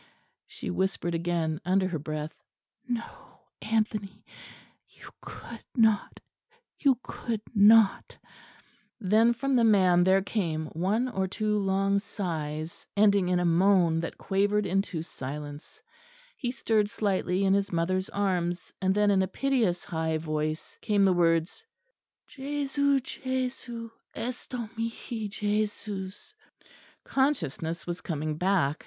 she whispered again under her breath. "No, Anthony! you could not, you could not!" Then from the man there came one or two long sighs, ending in a moan that quavered into silence; he stirred slightly in his mother's arms; and then in a piteous high voice came the words "Jesu ... Jesu ... esto mihi ... Jesus." Consciousness was coming back.